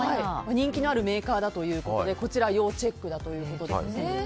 人気のあるメーカーだということで要チェックということです。